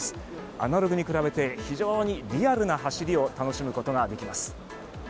アナログに比べて非常にリアルな走りを楽しむことができます。